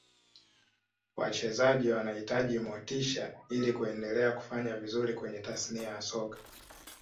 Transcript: wachezaji wanahitaji motisha ili kuendelea kufanya vizuri kwenye tasnia ya soka